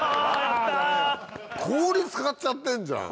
氷使っちゃってんじゃん。